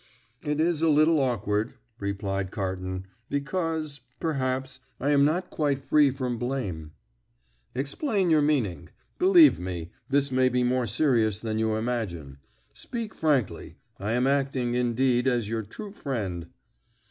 "It is a little awkward," replied Carton, "because, perhaps, I am not quite free from blame." "Explain your meaning. Believe me, this may be more serious than you imagine. Speak frankly. I am acting, indeed, as your true friend."